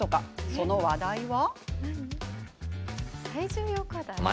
その話題とは。